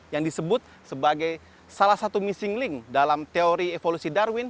yang disebut sebagai salah satu missing link dalam teori evolusi darwin